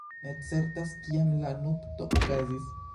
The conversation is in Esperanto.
Ne certas kiam la nupto okazis.